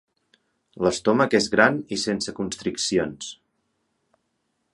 L'estómac és gran i sense constriccions.